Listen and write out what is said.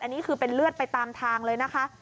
อันนี้คือเป็นเลือดไปตามทางเลยนะคะ